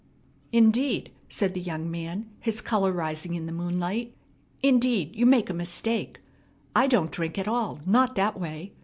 "Indeed," said the young man, his color rising in the moonlight, "indeed, you make a mistake. I don't drink at all, not that way.